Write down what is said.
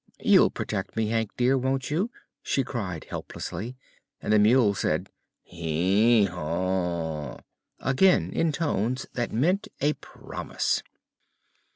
"You'll protect me, Hank dear, won't you?" she cried helplessly, and the mule said "Hee haw!" again, in tones that meant a promise.